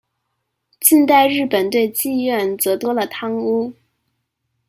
近代日本对妓院则多了汤屋。